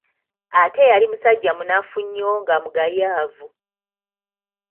Ate yali musajja munaffu nnyo nga mugayavu.